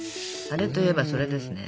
あれといえばそれですね。